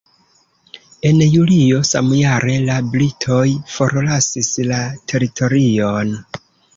En julio samjare, la britoj forlasis la teritorion.